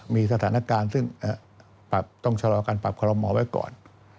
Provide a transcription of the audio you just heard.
มีสถานการณ์ซึ่งต้องชะลอการปรับคอลโมไว้ก่อน